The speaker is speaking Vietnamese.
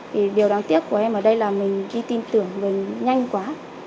vì điều đáng tiếc của em ở đây là mình đi tin tưởng mình nhanh quá